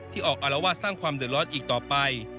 ออกอารวาสสร้างความเดือดร้อนอีกต่อไป